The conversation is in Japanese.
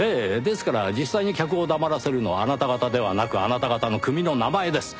ですから実際に客を黙らせるのはあなた方ではなくあなた方の組の名前です。